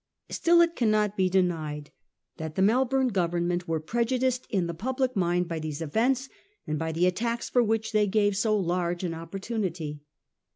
Still it cannot be denied that the Melbourne Government were prejudiced in the public mind by these events, and by the attacks for which they gave so large an opportunity.